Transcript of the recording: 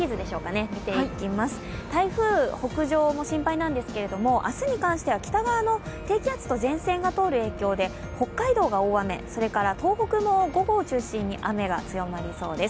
台風北上も心配なんですけれども、明日に関しては北側の低気圧と前線が通る影響で北海道が大雨、東北も午後を中心に雨が強まりそうです。